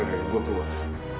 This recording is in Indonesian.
oke gue keluar